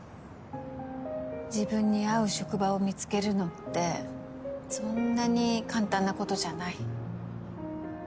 自分に合う職場を見つけるのってそんなに簡単なことじゃない。